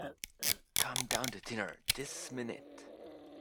Come down to dinner this minute.